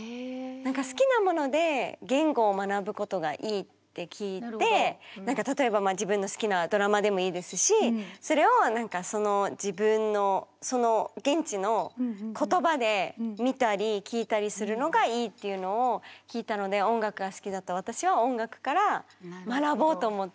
好きなもので言語を学ぶことがいいって聞いて例えば自分の好きなドラマでもいいですしそれを自分のその現地の言葉で見たり聴いたりするのがいいっていうのを聞いたので音楽が好きだった私は音楽から学ぼうと思って。